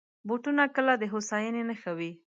بوټونه کله د هوساینې نښه وي.